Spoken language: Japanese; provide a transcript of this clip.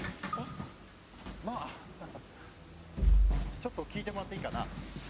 ちょっと聞いてもらっていいかな？